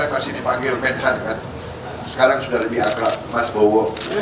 kan saya pasti dipanggil manhunt kan sekarang sudah lebih akrab mas bowo